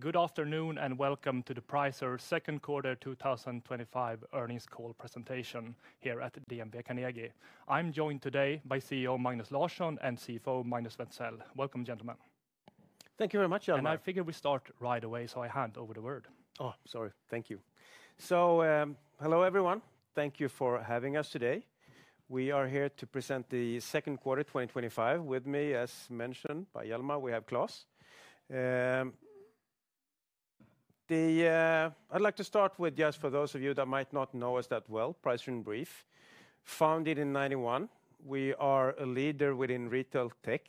Good afternoon and welcome to the Pricer second quarter 2025 earnings call presentation here at DNB Carnegie. I'm joined today by CEO Magnus Larsson and CFO Claes Wenthzel. Welcome, gentlemen. Thank you very much, Hjalmar. I figured we'd start right away, so I hand over the word. Oh, sorry. Thank you. Hello everyone. Thank you for having us today. We are here to present the second quarter 2025. With me, as mentioned by Hjalmar, we have Claes. I'd like to start with, just for those of you that might not know us that well, Pricer in brief. Founded in 1991, we are a leader within retail tech.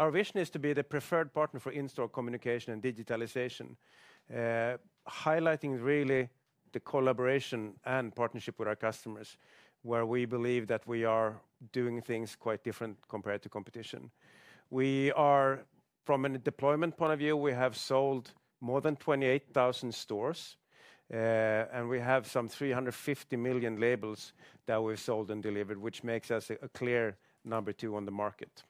Our vision is to be the preferred partner for in-store communication and digitalization, highlighting really the collaboration and partnership with our customers, where we believe that we are doing things quite different compared to competition. From a deployment point of view, we have sold more than 28,000 stores, and we have some 350 million labels that we've sold and delivered, which makes us a clear number two on the market.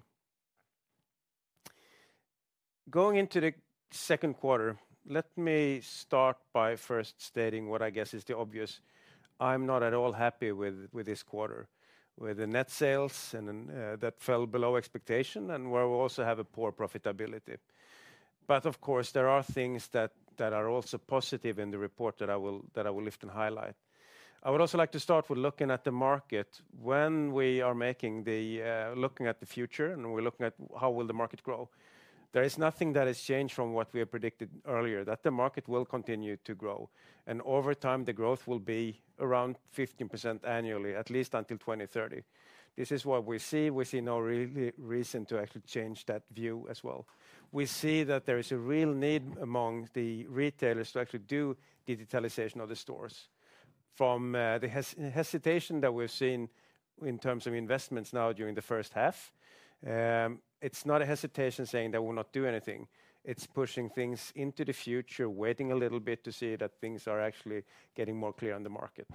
Going into the second quarter, let me start by first stating what I guess is the obvious. I'm not at all happy with this quarter, with the net sales that fell below expectation and where we also have a poor profitability. Of course, there are things that are also positive in the report that I will lift and highlight. I would also like to start with looking at the market. When we are looking at the future and we're looking at how will the market grow, there is nothing that has changed from what we have predicted earlier, that the market will continue to grow, and over time the growth will be around 15% annually, at least until 2030. This is what we see. We see no reason to actually change that view as well. We see that there is a real need among the retailers to actually do digitalization of the stores. From the hesitation that we've seen in terms of investments now during the first half, it's not a hesitation saying that we'll not do anything. It's pushing things into the future, waiting a little bit to see that things are actually getting more clear on the market.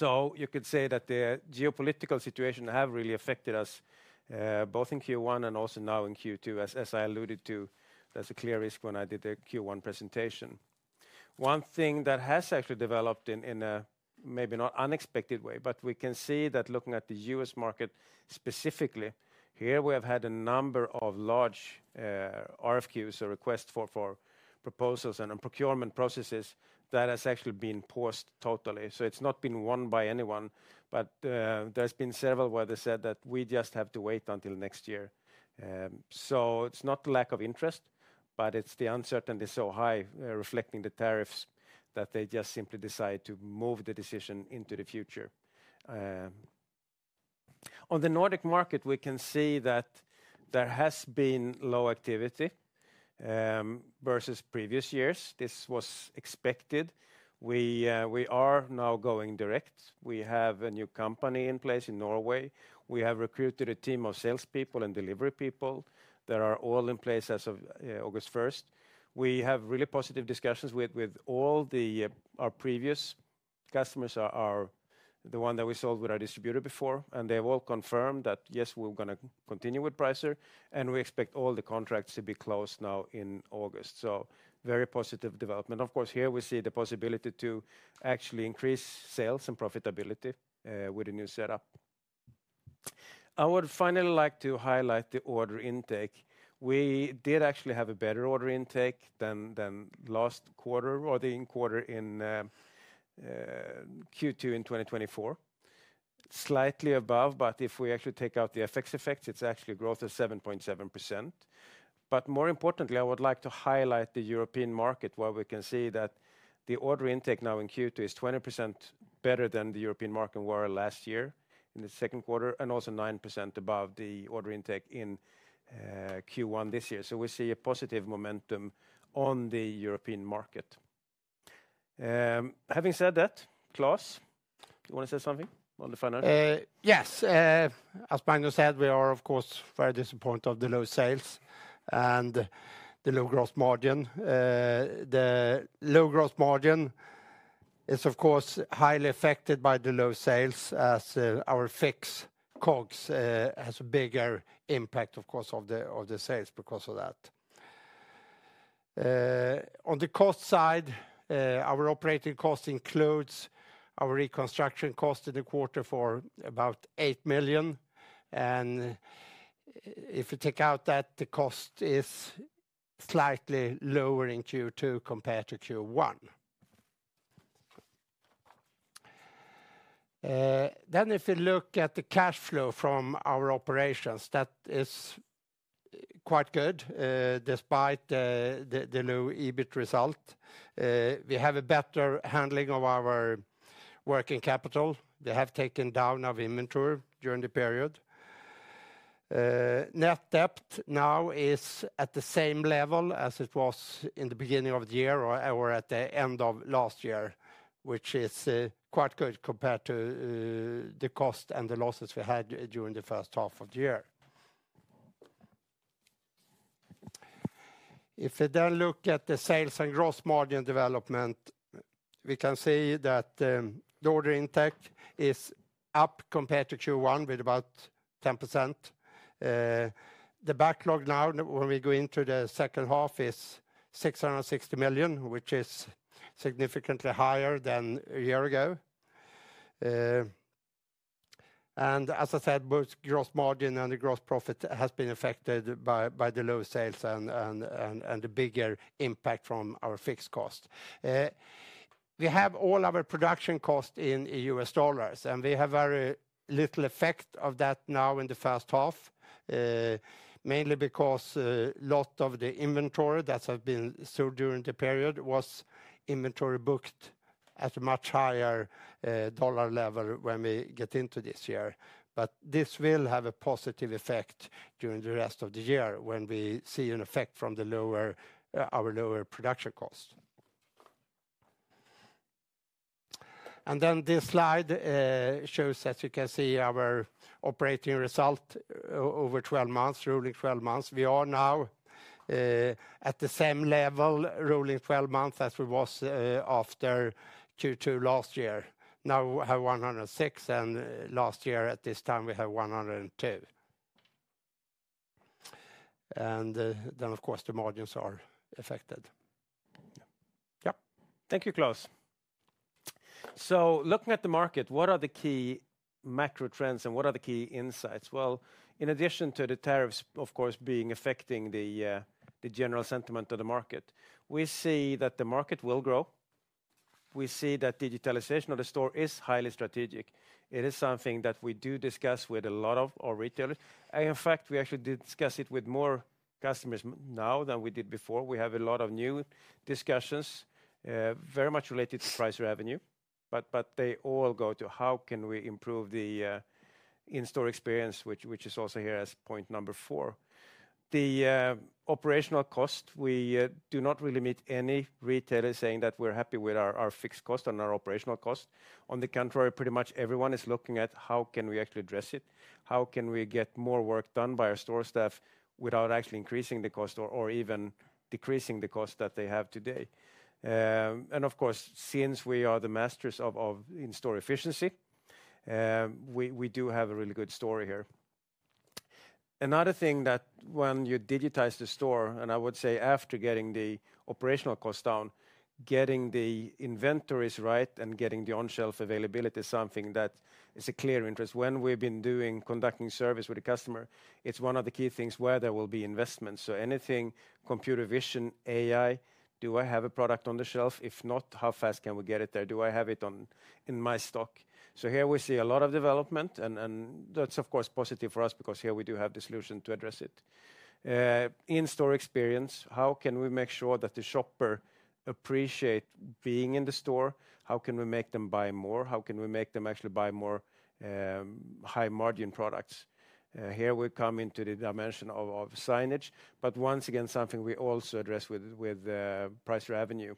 You could say that the geopolitical situation has really affected us both in Q1 and also now in Q2, as I alluded to as a clear risk when I did the Q1 presentation. One thing that has actually developed in a maybe not unexpected way, we can see that looking at the U.S. market specifically, here we have had a number of large RFQs, so requests for proposals and procurement processes that have actually been paused totally. It's not been won by anyone, but there's been several where they said that we just have to wait until next year. It's not the lack of interest, but the uncertainty is so high reflecting the tariffs that they just simply decided to move the decision into the future. On the Nordic market, we can see that there has been low activity versus previous years. This was expected. We are now going direct. We have a new company in place in Norway. We have recruited a team of salespeople and delivery people that are all in place as of August 1st. We have really positive discussions with all our previous customers, the ones that we sold with our distributor before, and they've all confirmed that yes, we're going to continue with Pricer and we expect all the contracts to be closed now in August. Very positive development. Of course, here we see the possibility to actually increase sales and profitability with a new setup. I would finally like to highlight the order intake. We did actually have a better order intake than last quarter or the quarter in Q2 in 2024. Slightly above, but if we actually take out the FX effects, it's actually a growth of 7.7%. More importantly, I would like to highlight the European market where we can see that the order intake now in Q2 is 20% better than the European market was last year in the second quarter and also 9% above the order intake in Q1 this year. We see a positive momentum on the European market. Having said that, Claes, you want to say something on the front end? Yes. As Magnus said, we are of course very disappointed of the low sales and the low gross margin. The low gross margin is of course highly affected by the low sales as our fixed COGS has a bigger impact, of course, on the sales because of that. On the cost side, our operating cost includes our reconstruction cost in the quarter for about $8 million. If you take out that, the cost is slightly lower in Q2 compared to Q1. If you look at the cash flow from our operations, that is quite good despite the low EBIT result. We have a better handling of our working capital. They have taken down our inventory during the period. Net debt now is at the same level as it was in the beginning of the year or at the end of last year, which is quite good compared to the cost and the losses we had during the first half of the year. If we look at the sales and gross margin development, we can see that the order intake is up compared to Q1 with about 10%. The backlog now when we go into the second half is $660 million, which is significantly higher than a year ago. As I said, both gross margin and the gross profit have been affected by the low sales and the bigger impact from our fixed cost. We have all our production costs in U.S. dollars, and we have very little effect of that now in the first half, mainly because a lot of the inventory that has been sold during the period was inventory booked at a much higher dollar level when we get into this year. This will have a positive effect during the rest of the year when we see an effect from our lower production costs. This slide shows that you can see our operating result over 12 months, rolling 12 months. We are now at the same level, rolling 12 months, as we were after Q2 last year. Now we have 106, and last year at this time we had 102. Of course the margins are affected. Thank you, Claes. Looking at the market, what are the key macro trends and what are the key insights? In addition to the tariffs, of course, affecting the general sentiment of the market, we see that the market will grow. We see that digitalization of the store is highly strategic. It is something that we do discuss with a lot of our retailers. In fact, we actually discuss it with more customers now than we did before. We have a lot of new discussions, very much related to Pricer Avenue, but they all go to how can we improve the in-store experience, which is also here as point number four. The operational cost, we do not really meet any retailer saying that we're happy with our fixed cost and our operational cost. On the contrary, pretty much everyone is looking at how can we actually address it? How can we get more work done by our store staff without actually increasing the cost or even decreasing the cost that they have today? Of course, since we are the masters of in-store efficiency, we do have a really good story here. Another thing that when you digitize the store, and I would say after getting the operational cost down, getting the inventories right and getting the on-shelf availability is something that is a clear interest. When we've been conducting service with the customer, it's one of the key things where there will be investments. Anything computer vision, AI, do I have a product on the shelf? If not, how fast can we get it there? Do I have it in my stock? Here we see a lot of development, and that's of course positive for us because here we do have the solution to address it. In-store experience, how can we make sure that the shopper appreciates being in the store? How can we make them buy more? How can we make them actually buy more high margin products? Here we come into the dimension of signage, but once again something we also address with Pricer Avenue.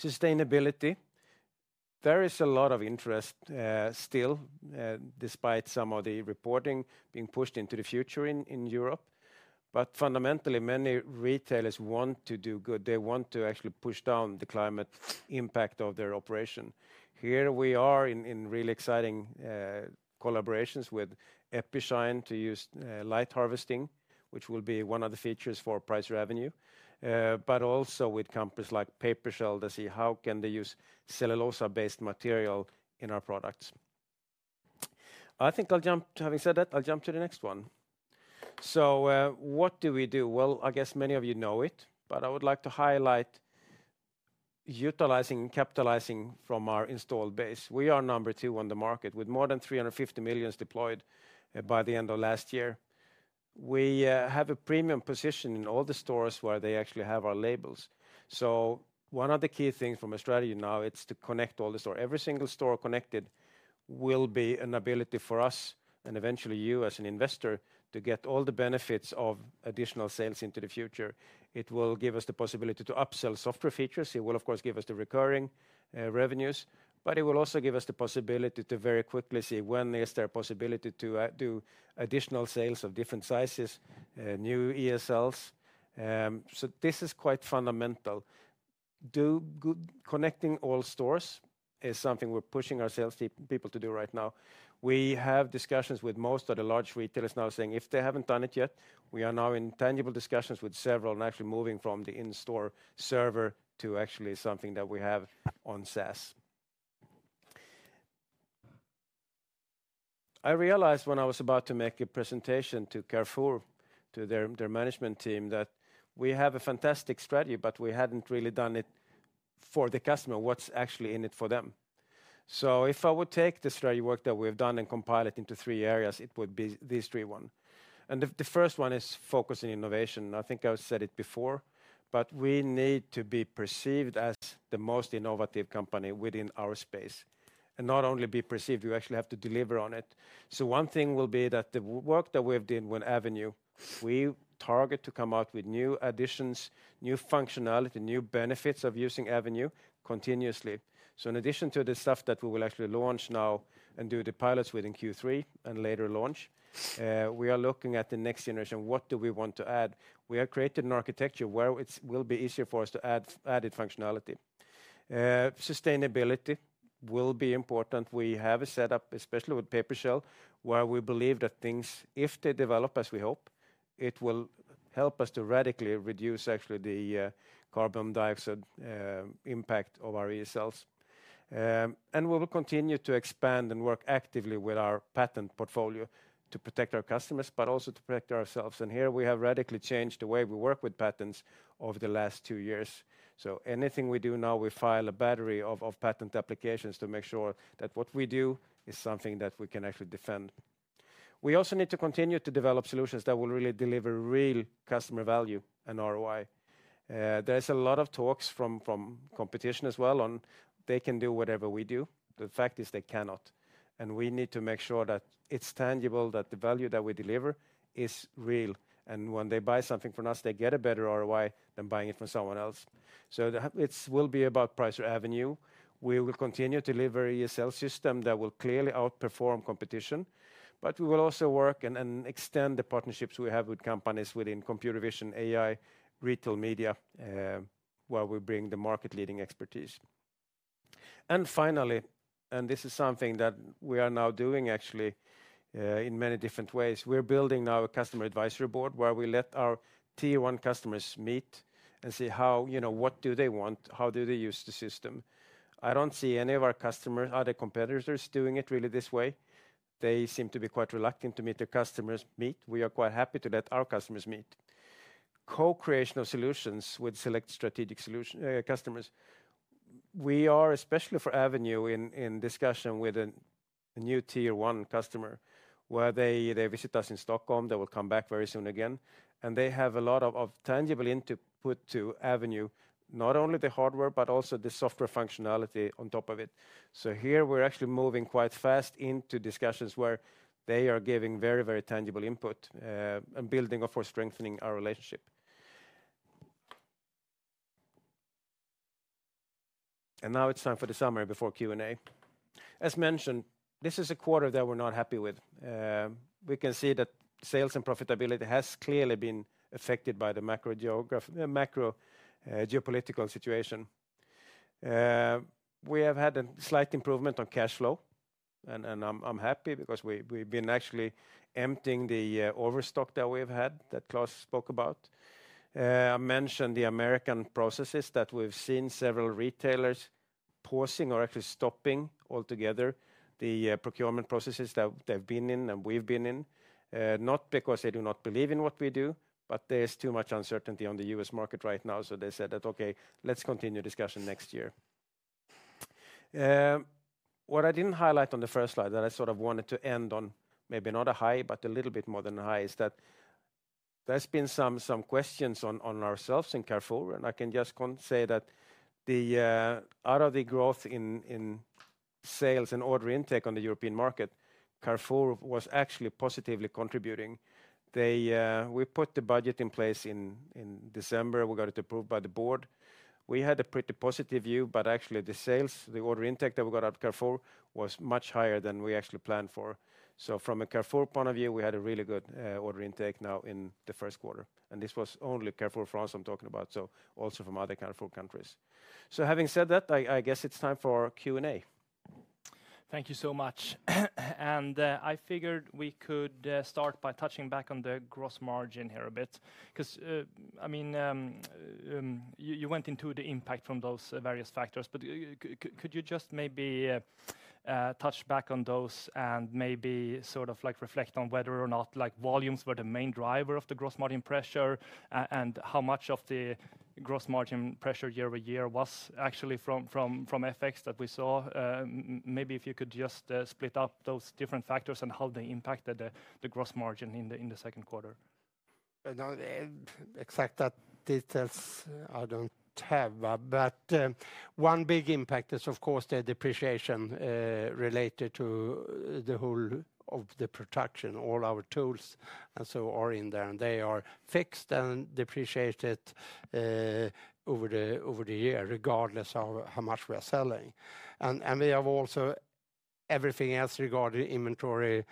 Sustainability, there is a lot of interest still despite some of the reporting being pushed into the future in Europe. Fundamentally, many retailers want to do good. They want to actually push down the climate impact of their operation. Here we are in really exciting collaborations with Epishine to use light harvesting, which will be one of the features for Pricer Avenue, but also with companies like PaperShell to see how can they use cellulose-based material in our products. I think I'll jump, having said that, I'll jump to the next one. What do we do? I guess many of you know it, but I would like to highlight utilizing and capitalizing from our installed base. We are number two on the market with more than 350 million deployed by the end of last year. We have a premium position in all the stores where they actually have our labels. One of the key things from a strategy now is to connect all the stores. Every single store connected will be an ability for us and eventually you as an investor to get all the benefits of additional sales into the future. It will give us the possibility to upsell software features. It will of course give us the recurring revenues, but it will also give us the possibility to very quickly see when there is a possibility to do additional sales of different sizes, new electronic shelf labels. This is quite fundamental. Connecting all stores is something we're pushing our sales people to do right now. We have discussions with most of the large retailers now saying if they haven't done it yet, we are now in tangible discussions with several and actually moving from the in-store server to actually something that we have on SaaS. I realized when I was about to make a presentation to Carrefour, to their management team, that we have a fantastic strategy, but we hadn't really done it for the customer. What's actually in it for them? If I would take the strategy work that we've done and compile it into three areas, it would be these three ones. The first one is focusing innovation. I think I've said it before, but we need to be perceived as the most innovative company within our space. Not only be perceived, you actually have to deliver on it. One thing will be that the work that we've done with Avenue, we target to come out with new additions, new functionality, new benefits of using Avenue continuously. In addition to the stuff that we will actually launch now and do the pilots within Q3 and later launch, we are looking at the next generation. What do we want to add? We have created an architecture where it will be easier for us to add added functionality. Sustainability will be important. We have a setup, especially with Paper hell, where we believe that things, if they develop as we hope, it will help us to radically reduce actually the carbon dioxide impact of our electronic shelf labels. We will continue to expand and work actively with our patent portfolio to protect our customers, but also to protect ourselves. We have radically changed the way we work with patents over the last two years. Anything we do now, we file a battery of patent applications to make sure that what we do is something that we can actually defend. We also need to continue to develop solutions that will really deliver real customer value and ROI. There is a lot of talk from competition as well on how they can do whatever we do. The fact is they cannot. We need to make sure that it's tangible, that the value that we deliver is real. When they buy something from us, they get a better ROI than buying it from someone else. It will be about Pricer Avenue. We will continue to deliver an ESL system that will clearly outperform competition. We will also work and extend the partnerships we have with companies within computer vision, AI, retail media, where we bring the market-leading expertise. Finally, and this is something that we are now doing actually in many different ways, we're building now a customer advisory board where we let our Tier 1 customers meet and see how, you know, what do they want, how do they use the system. I don't see any of our customers, other competitors doing it really this way. They seem to be quite reluctant to meet their customers. We are quite happy to let our customers meet. Co-creation of solutions with select strategic customers. We are especially for Avenue in discussion with a new Tier 1 customer where they visit us in Stockholm. They will come back very soon again. They have a lot of tangible input to Avenue, not only the hardware, but also the software functionality on top of it. Here we're actually moving quite fast into discussions where they are giving very, very tangible input and building up or strengthening our relationship. Now it's time for the summary before Q&A. As mentioned, this is a quarter that we're not happy with. We can see that sales and profitability have clearly been affected by the macro geopolitical situation. We have had a slight improvement on cash flow, and I'm happy because we've been actually emptying the overstock that we've had, that Claes spoke about. I mentioned the American processes that we've seen several retailers pausing or actually stopping altogether, the procurement processes that they've been in and we've been in, not because they do not believe in what we do, but there's too much uncertainty on the U.S. market right now. They said that, okay, let's continue discussion next year. What I didn't highlight on the first slide that I sort of wanted to end on, maybe not a high, but a little bit more than high, is that there's been some questions on ourselves in Carrefour. I can just say that out of the growth in sales and order intake on the European market, Carrefour was actually positively contributing. We put the budget in place in December. We got it approved by the board. We had a pretty positive view, but actually the sales, the order intake that we got out of Carrefour was much higher than we actually planned for. From a Carrefour point of view, we had a really good order intake now in the first quarter. This was only Carrefour France I'm talking about, so also from other Carrefour countries. Having said that, I guess it's time for Q&A. Thank you so much. I figured we could start by touching back on the gross margin here a bit, because you went into the impact from those various factors. Could you just maybe touch back on those and maybe sort of reflect on whether or not volumes were the main driver of the gross margin pressure and how much of the gross margin pressure year over year was actually from FX that we saw? Maybe if you could just split up those different factors and how they impacted the gross margin in the second quarter. Exact details I don't have, but one big impact is of course the depreciation related to the whole of the production. All our tools and so on are in there, and they are fixed and depreciated over the year, regardless of how much we are selling. We have also everything else regarding inventory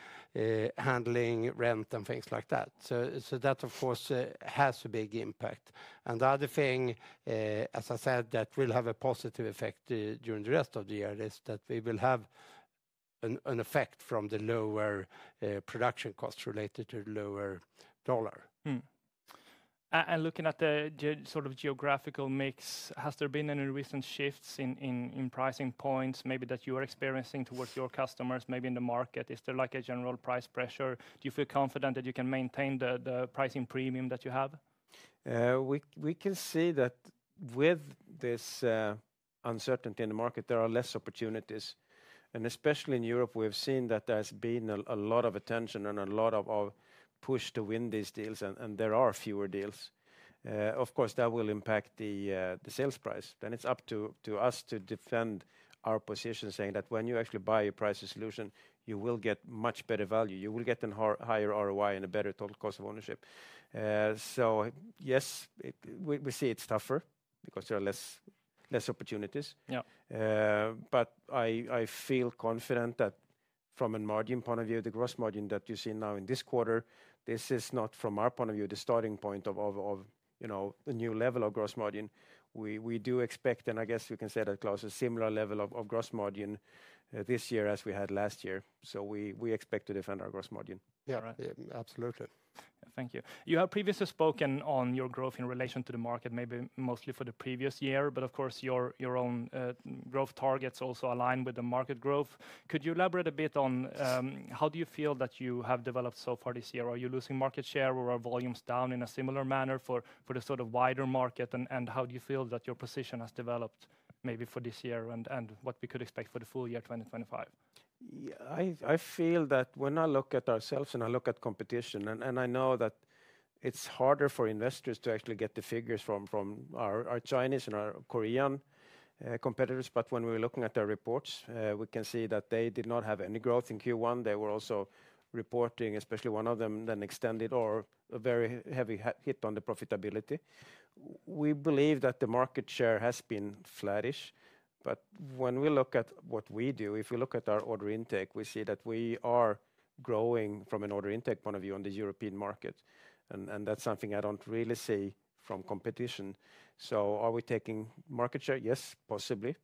handling, rent, and things like that. That of course has a big impact. The other thing, as I said, that will have a positive effect during the rest of the year is that we will have an effect from the lower production costs related to the lower dollar. Looking at the sort of geographical mix, has there been any recent shifts in pricing points maybe that you are experiencing towards your customers, maybe in the market? Is there a general price pressure? Do you feel confident that you can maintain the pricing premium that you have? We can see that with this uncertainty in the market, there are less opportunities. Especially in Europe, we've seen that there's been a lot of attention and a lot of push to win these deals, and there are fewer deals. Of course, that will impact the sales price. It's up to us to defend our position saying that when you actually buy a Pricer solution, you will get much better value. You will get a higher ROI and a better total cost of ownership. Yes, we see it's tougher because there are less opportunities. I feel confident that from a margin point of view, the gross margin that you see now in this quarter, this is not from our point of view the starting point of a new level of gross margin. We do expect, and I guess we can say that Claes has a similar level of gross margin this year as we had last year. We expect to defend our gross margin. Yeah, absolutely. Thank you. You have previously spoken on your growth in relation to the market, maybe mostly for the previous year, but of course your own growth targets also align with the market growth. Could you elaborate a bit on how you feel that you have developed so far this year? Are you losing market share or are volumes down in a similar manner for the sort of wider market? How do you feel that your position has developed maybe for this year and what we could expect for the full year 2025? Yeah, I feel that when I look at ourselves and I look at competition, and I know that it's harder for investors to actually get the figures from our Chinese and our Korean competitors, but when we're looking at their reports, we can see that they did not have any growth in Q1. They were also reporting, especially one of them, a very heavy hit on the profitability. We believe that the market share has been flattish, but when we look at what we do, if we look at our order intake, we see that we are growing from an order intake point of view on the European market. That's something I don't really see from competition. Are we taking market share? Yes, possibly.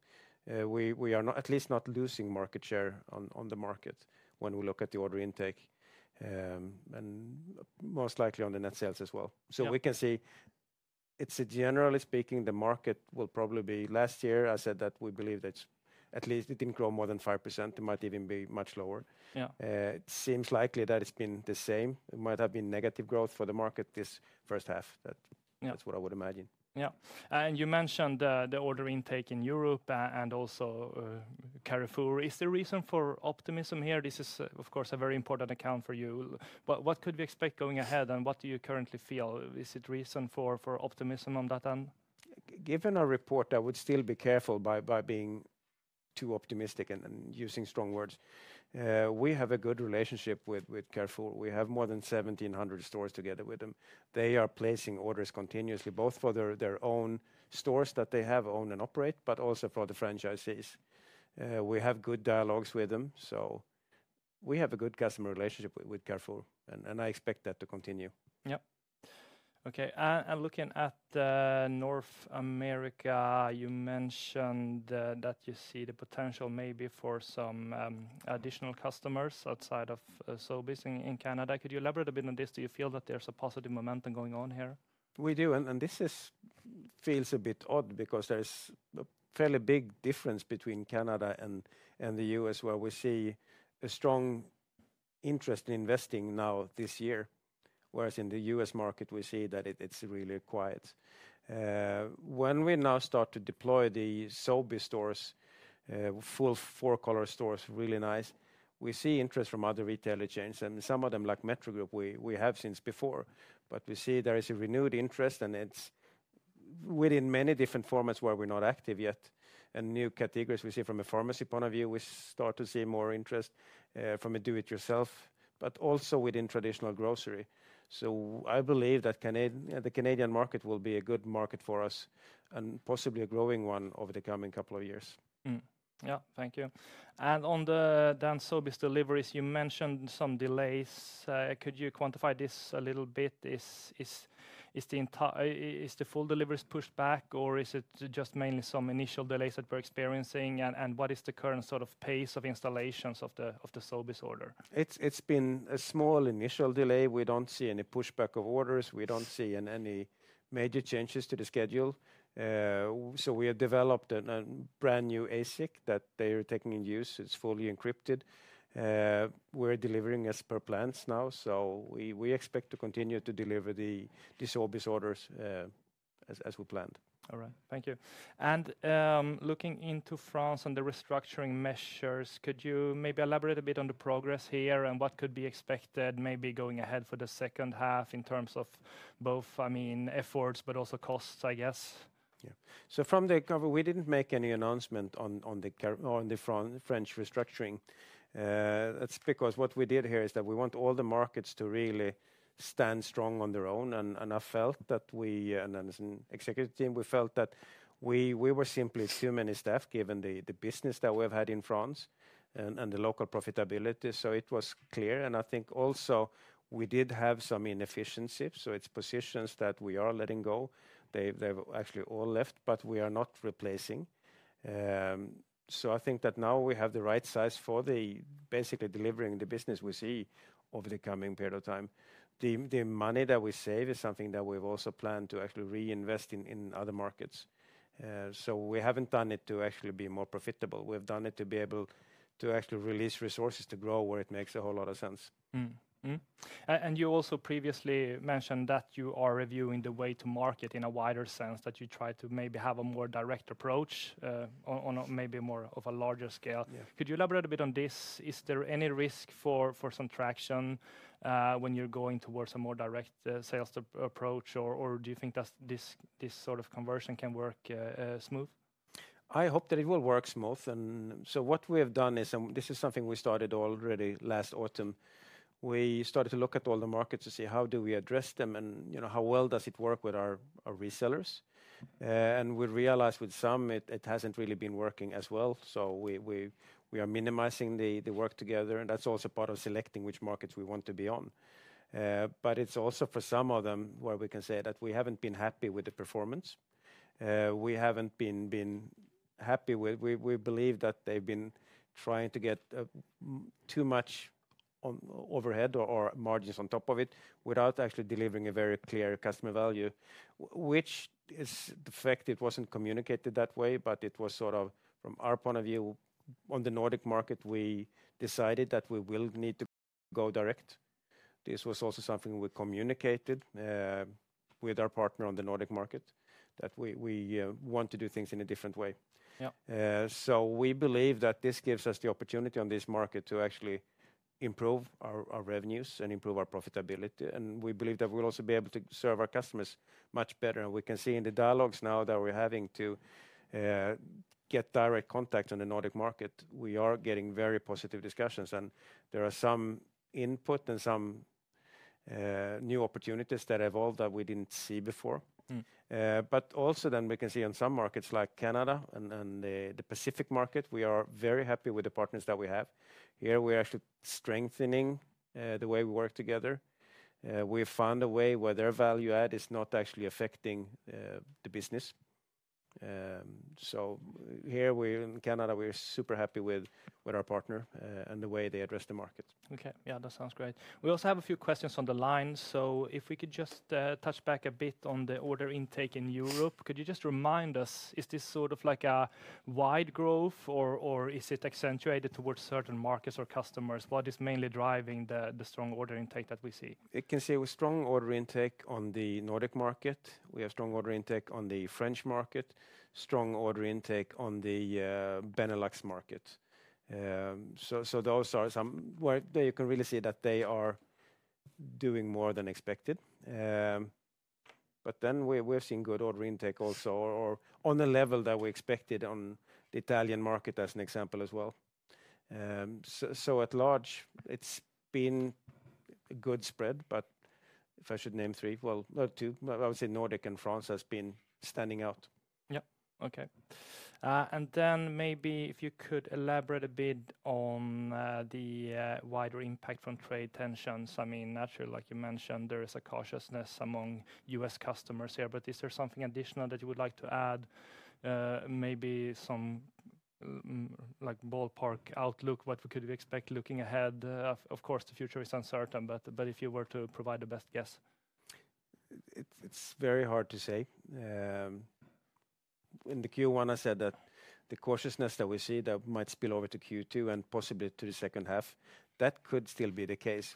We are at least not losing market share on the market when we look at the order intake and most likely on the net sales as well. We can see, generally speaking, the market will probably be last year. I said that we believe that at least it didn't grow more than 5%. It might even be much lower. It seems likely that it's been the same. It might have been negative growth for the market this first half. That's what I would imagine. You mentioned the order intake in Europe and also Carrefour. Is there reason for optimism here? This is of course a very important account for you. What could we expect going ahead and what do you currently feel? Is it reason for optimism on that end? Given our report, I would still be careful by being too optimistic and using strong words. We have a good relationship with Carrefour. We have more than 1,700 stores together with them. They are placing orders continuously, both for their own stores that they have owned and operate, but also for the franchisees. We have good dialogues with them. We have a good customer relationship with Carrefour. I expect that to continue. Okay. Looking at North America, you mentioned that you see the potential maybe for some additional customers outside of Sobeys in Canada. Could you elaborate a bit on this? Do you feel that there's a positive momentum going on here? We do. This feels a bit odd because there's a fairly big difference between Canada and the U.S. where we see a strong interest in investing now this year, whereas in the U.S. market we see that it's really quiet. When we now start to deploy the Sobeys stores, full four-color stores, really nice, we see interest from other retail chains. Some of them, like Metro Group, we have since before. We see there is a renewed interest and it's within many different formats where we're not active yet. New categories we see from a pharmacy point of view, we start to see more interest from a do-it-yourself, but also within traditional grocery. I believe that the Canadian market will be a good market for us and possibly a growing one over the coming couple of years. Thank you. On the Sobeys deliveries, you mentioned some delays. Could you quantify this a little bit? Is the full deliveries pushed back or is it just mainly some initial delays that we're experiencing? What is the current sort of pace of installations of the Sobeys order? It's been a small initial delay. We don't see any pushback of orders. We don't see any major changes to the schedule. We have developed a brand new ASIC that they are taking in use. It's fully encrypted. We're delivering as per plans now. We expect to continue to deliver the Sobeys orders as we planned. All right, thank you. Looking into France and the restructuring measures, could you maybe elaborate a bit on the progress here and what could be expected going ahead for the second half in terms of both efforts, but also costs, I guess? Yeah. From the COVID, we didn't make any announcement on the French restructuring. That's because what we did here is that we want all the markets to really stand strong on their own. I felt that we, and as an executive team, we felt that we were simply too many staff given the business that we have had in France and the local profitability. It was clear. I think also we did have some inefficiencies. It's positions that we are letting go. They've actually all left, but we are not replacing. I think that now we have the right size for basically delivering the business we see over the coming period of time. The money that we save is something that we've also planned to actually reinvest in other markets. We haven't done it to actually be more profitable. We've done it to be able to actually release resources to grow where it makes a whole lot of sense. You also previously mentioned that you are reviewing the way to market in a wider sense, that you try to maybe have a more direct approach on maybe more of a larger scale. Could you elaborate a bit on this? Is there any risk for some traction when you're going towards a more direct sales approach, or do you think that this sort of conversion can work smooth? I hope that it will work smooth. What we have done is, and this is something we started already last autumn, we started to look at all the markets to see how do we address them and how well does it work with our resellers. We realized with some it hasn't really been working as well. We are minimizing the work together. That's also part of selecting which markets we want to be on. It's also for some of them where we can say that we haven't been happy with the performance. We haven't been happy with, we believe that they've been trying to get too much overhead or margins on top of it without actually delivering a very clear customer value, which is the fact it wasn't communicated that way, but it was sort of from our point of view on the Nordic market, we decided that we will need to go direct. This was also something we communicated with our partner on the Nordic market that we want to do things in a different way. We believe that this gives us the opportunity on this market to actually improve our revenues and improve our profitability. We believe that we'll also be able to serve our customers much better. We can see in the dialogues now that we're having to get direct contact on the Nordic market, we are getting very positive discussions. There are some input and some new opportunities that evolve that we didn't see before. We can see on some markets like Canada and the Pacific market, we are very happy with the partners that we have. Here we're actually strengthening the way we work together. We've found a way where their value add is not actually affecting the business. Here in Canada, we're super happy with our partner and the way they address the market. Okay, yeah, that sounds great. We also have a few questions on the line. If we could just touch back a bit on the order intake in Europe, could you just remind us, is this sort of like a wide growth or is it accentuated towards certain markets or customers? What is mainly driving the strong order intake that we see? I can say with strong order intake on the Nordic market. We have strong order intake on the French market, strong order intake on the Benelux market. Those are some where you can really see that they are doing more than expected. We've seen good order intake also or on the level that we expected on the Italian market as an example as well. At large, it's been a good spread. If I should name three, two, I would say Nordic and France has been standing out. Yeah, okay. If you could elaborate a bit on the wider impact from trade tensions. I mean, naturally, like you mentioned, there is a cautiousness among U.S. customers here, but is there something additional that you would like to add? Maybe some ballpark outlook, what we could expect looking ahead. Of course, the future is uncertain, but if you were to provide the best guess. It's very hard to say. In Q1, I said that the cautiousness that we see might spill over to Q2 and possibly to the second half. That could still be the case.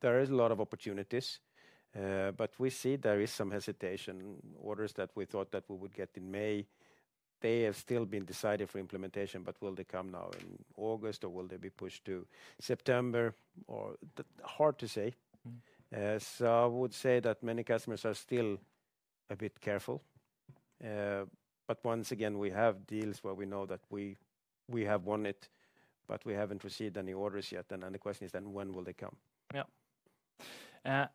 There are a lot of opportunities, but we see there is some hesitation. Orders that we thought we would get in May have still been decided for implementation, but will they come now in August or will they be pushed to September? Hard to say. I would say that many customers are still a bit careful. Once again, we have deals where we know that we have won it, but we haven't received any orders yet. The question is then when will they come? Yeah.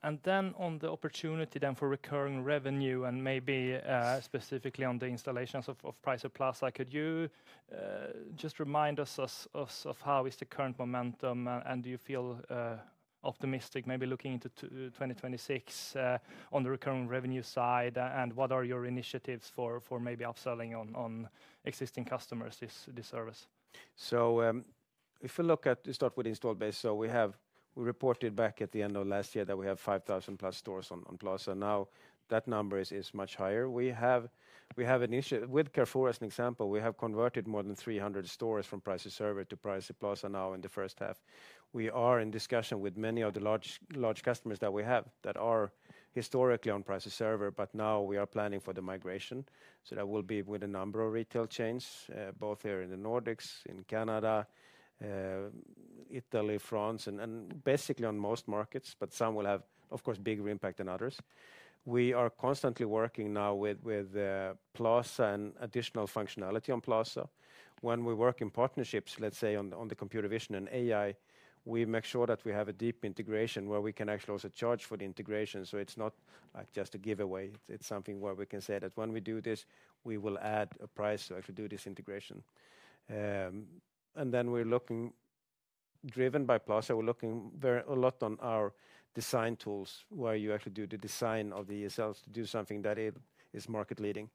On the opportunity for recurring revenue and maybe specifically on the installations of Pricer PLUS, could you just remind us of how is the current momentum, and do you feel optimistic maybe looking into 2026 on the recurring revenue side, and what are your initiatives for maybe upselling on existing customers this service? If you look at, let's start with the install base. We reported back at the end of last year that we have 5,000+ stores on PLUS, and now that number is much higher. We have an issue with Carrefour as an example. We have converted more than 300 stores from Pricer Server to Pricer PLUS now in the first half. We are in discussion with many of the large customers that we have that are historically on Pricer Server, but now we are planning for the migration. That will be with a number of retail chains, both here in the Nordics, in Canada, Italy, France, and basically on most markets, but some will have, of course, bigger impact than others. We are constantly working now with PLUS and additional functionality on PLUS. When we work in partnerships, let's say on the computer vision and AI, we make sure that we have a deep integration where we can actually also charge for the integration. It's not just a giveaway. It's something where we can say that when we do this, we will add a price to actually do this integration. Then we're looking, driven by PLUS, we're looking very a lot on our design tools where you actually do the design of the ESLs to do something that is market leading.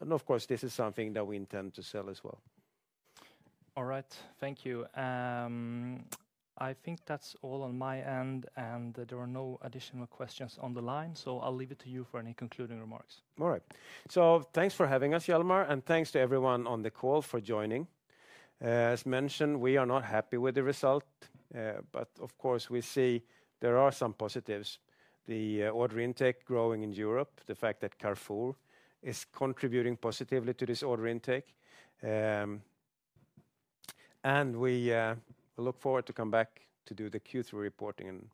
Of course, this is something that we intend to sell as well. All right, thank you. I think that's all on my end, and there are no additional questions on the line, so I'll leave it to you for any concluding remarks. All right. Thanks for having us, Hjalmar, and thanks to everyone on the call for joining. As mentioned, we are not happy with the result, but of course we see there are some positives. The order intake growing in Europe, the fact that Carrefour is contributing positively to this order intake. We look forward to come back to do the Q3 reporting.